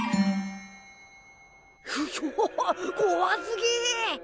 うひょこわすぎ！